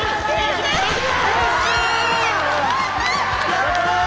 やった！